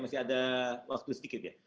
masih ada waktu sedikit ya